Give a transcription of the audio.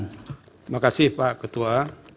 terima kasih pak ketua